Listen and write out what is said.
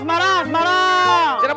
semarang semarang semarang